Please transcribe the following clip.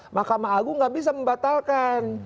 makam agung gak bisa membatalkan